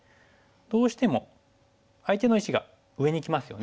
どうしても相手の石が上にきますよね。